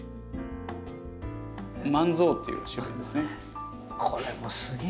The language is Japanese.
万象という種類ですね。